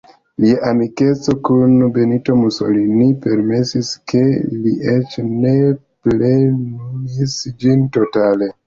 Lia amikeco kun Benito Mussolini permesis, ke li eĉ ne plenumis ĝin totale.